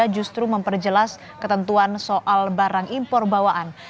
justru memperjelas ketentuan soal barang impor bawaan